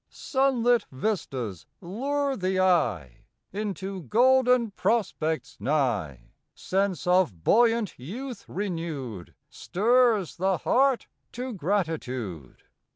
Sunlit vistas lure the eye Into golden prospects nigh. Sense of buoyant youth renewed Stirs the heart to gratitude.